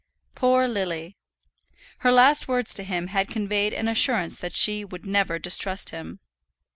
Poor Lily! Her last words to him had conveyed an assurance that she would never distrust him.